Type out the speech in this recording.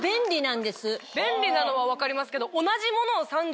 便利なのは分かりますけど。